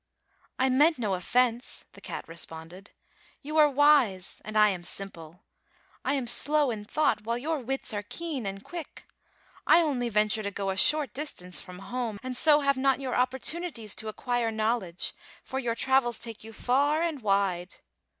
"I meant no offense," the cat responded. "You are wise and I am simple. I am slow in thought while your wits are keen and quick. I only venture to go a short distance from home, and so have not your opportuni ties to acquire knowledge, for your travels take you far and wide.